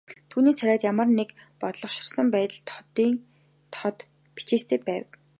Түүний царайд ямар нэг бодлогоширсон байдал тодын тод бичээстэй байв.